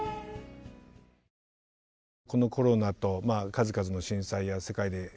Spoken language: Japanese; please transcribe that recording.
このコロナと数々の震災や世界で今もね